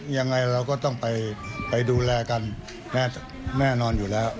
ยังไงเราก็ต้องไปดูแลกันแน่นอนอยู่แล้ว